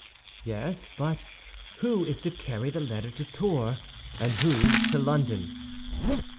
"Yes; but who is to carry the letter to Tours, and who to London?"